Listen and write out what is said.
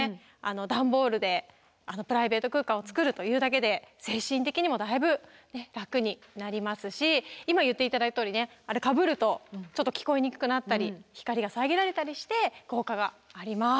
段ボールでプライベート空間を作るというだけで精神的にもだいぶ楽になりますし今言って頂いたとおりねあれかぶるとちょっと聞こえにくくなったり光が遮られたりして効果があります。